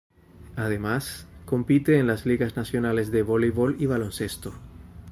Además, compite en las ligas nacionales de Voleibol y Baloncesto.